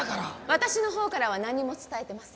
私のほうからは何も伝えてません。